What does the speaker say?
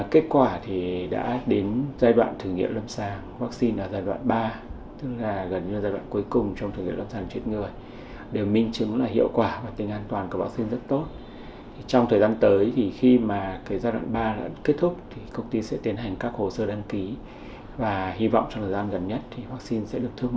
kết quả thì đã đến giai đoạn thử nghiệm lâm sàng